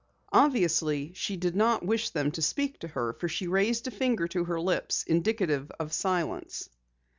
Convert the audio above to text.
Obviously she did not wish them to speak to her for she raised a finger to her lips, indicative of silence.